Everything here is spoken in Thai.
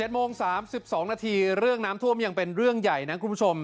โมง๓๒นาทีเรื่องน้ำท่วมยังเป็นเรื่องใหญ่นะคุณผู้ชม